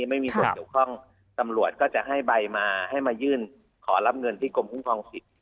ไม่มีส่วนเกี่ยวข้องตำรวจก็จะให้ใบมาให้มายื่นขอรับเงินที่กรมคุ้มครองสิทธิ